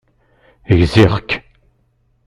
Gziɣ-k.